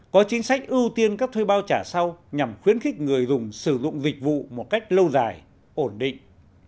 có chính sách ưu tiên các thuê bao trả sau nhằm khuyến khích người dùng sử dụng dịch vụ một cách lâu dài ổn định